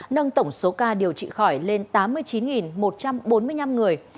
nâng tổng số ca điều trị khỏi lên tám mươi chín một trăm bốn mươi năm người